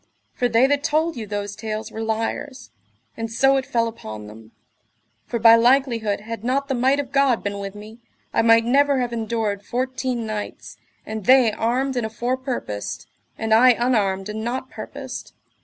For they that told you those tales were liars, and so it fell upon them; for by likelihood had not the might of God been with me, I might never have endured fourteen knights, and they armed and afore purposed, and I unarmed and not purposed.